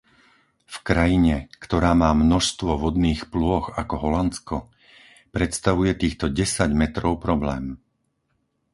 V krajine, ktorá má množstvo vodných plôch, ako Holandsko, predstavuje týchto desať metrov problém.